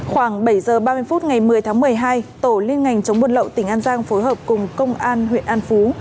khoảng bảy h ba mươi phút ngày một mươi tháng một mươi hai tổ liên ngành chống buôn lậu tỉnh an giang phối hợp cùng công an huyện an phú